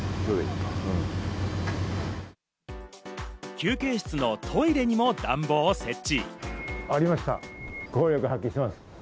休憩室のトイレにも暖房を設置。